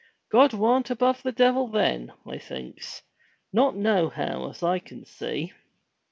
God warn't above the devil then, I thinks. Not nohow as I can see!"